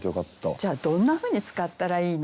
じゃあどんなふうに使ったらいいのか。